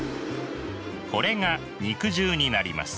これが肉汁になります。